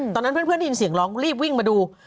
ตอนนั้นเพื่อนได้ยินเสียงร้องรีบวิ่งมาดู